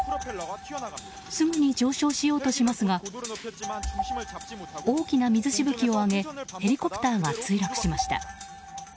すぐに上昇しようとしますが大きな水しぶきを上げヘリコプターが墜落しました。